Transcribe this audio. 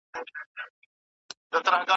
پېغور ورکوونکي کسان په ټولنه کي ښه نه ګڼل کيږي.